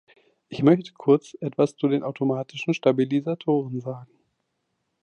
Ich möchte kurz etwas zu den automatischen Stabilisatoren sagen.